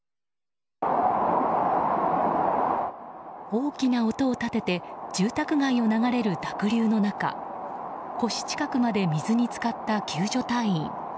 大きな音を立てて住宅街を流れる濁流の中腰近くまで水に浸かった救助隊員。